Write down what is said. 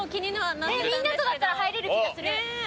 みんなとだったら入れる気がする。